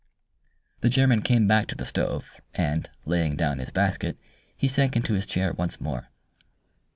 The German came back to the stove, and, laying down his basket, he sank into his chair once more.